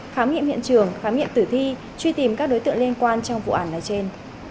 khám nghiệm hiện trường khám nghiệm tử thi truy tìm các đối tượng liên quan trong vụ án nói trên